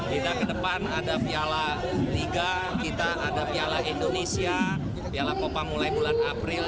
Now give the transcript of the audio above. kita ke depan ada piala liga kita ada piala indonesia piala popa mulai bulan april